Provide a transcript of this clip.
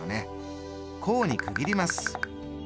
項に区切ります。